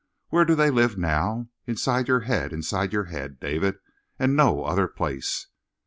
Where do they live now? Inside your head, inside your head, David, and no other place!"